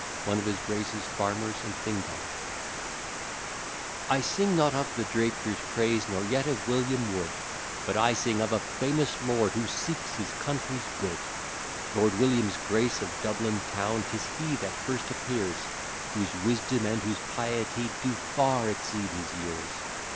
ONE OF HIS GRACE'S FARMERS IN FINGAL I sing not of the Drapier's praise, nor yet of William Wood, But I sing of a famous lord, who seeks his country's good; Lord William's grace of Dublin town, 'tis he that first appears, Whose wisdom and whose piety do far exceed his years.